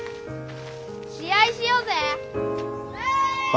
試合しようぜ。